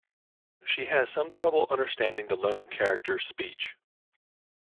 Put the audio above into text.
She has some trouble understanding the lone character's Speech.